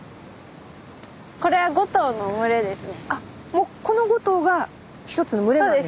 もうこの５頭が一つの群れなんですか？